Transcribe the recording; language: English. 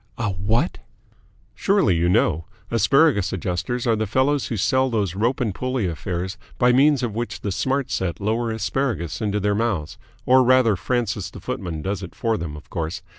"A what?" "Surely you know? Asparagus Adjusters are the fellows who sell those rope and pulley affairs by means of which the Smart Set lower asparagus into their mouths or rather Francis the footman does it for them, of course.